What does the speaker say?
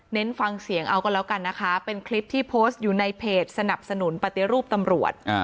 ฟังเสียงเอากันแล้วกันนะคะเป็นคลิปที่โพสต์อยู่ในเพจสนับสนุนปฏิรูปตำรวจ